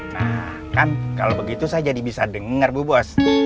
nah kan kalau begitu saya jadi bisa dengar bu bos